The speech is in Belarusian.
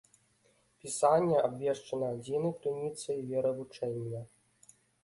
Пісанне абвешчана адзінай крыніцай веравучэння.